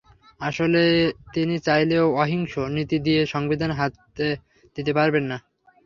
আসলে তিনি চাইলেও অহিংস নীতি দিয়ে সংবিধানে হাত দিতে পারবেন না।